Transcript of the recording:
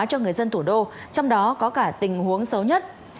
cho người dân thủ đô trong đó có cả tình huống xấu nhất